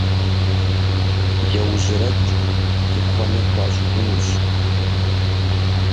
Еужьэрэкӏ, тыкуэныр хуащӏыжынущ!